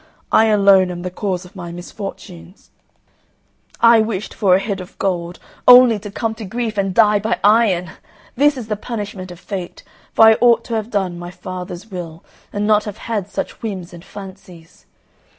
I alone am the cause of my misfortunes. I wished for a head of gold, only to come to grief and die by iron! This is the punishment of Fate, for I ought to have done my father's will, and not have had such whims and fancies.